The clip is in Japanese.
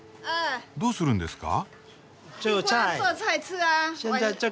どうするんですか？